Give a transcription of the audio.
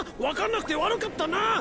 分かんなくて悪かったな！